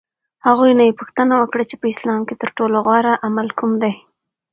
هغوی نه یې پوښتنه وکړه چې په اسلام کې ترټولو غوره عمل کوم دی؟